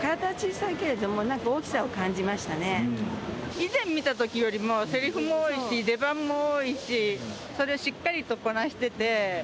以前見た時よりもセリフも多いし出番も多いしそれをしっかりとこなしてて。